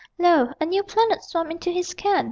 Lo, a new planet swam into his ken!